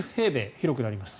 広くなりました。